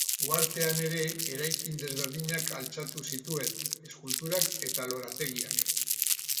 Uhartean ere eraikin desberdinak altxatu zituen, eskulturak eta lorategiak.